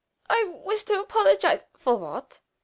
"I wish to apologize " "For what?"